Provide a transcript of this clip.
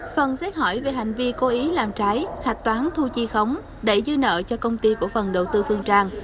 phần xét hỏi về hành vi cố ý làm trái hạch toán thu chi khống đẩy dư nợ cho công ty cổ phần đầu tư phương trang